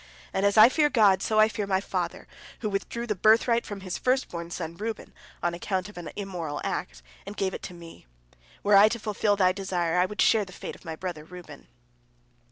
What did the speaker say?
And as I fear God, so I fear my father, who withdrew the birthright from his first born son Reuben, on account of an immoral act, and gave it to me. Were I to fulfil thy desire, I would share the fate of my brother Reuben."